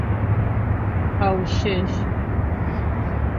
Къэущэжь!